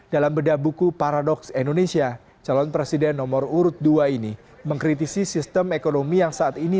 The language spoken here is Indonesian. dalam bedah buku paradoks indonesia calon presiden nomor urut dua ini mengkritisi sistem ekonomi yang saat ini